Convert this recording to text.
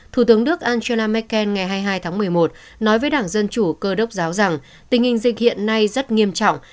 thủ tướng đức angela merkel ngày hai mươi hai tháng một mươi một nói với đảng dân chủ cơ đốc giáo rằng tình hình dịch hiện nay rất nghiêm trọng